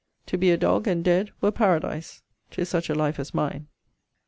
To be a dog, and dead, Were paradise, to such a life as mine.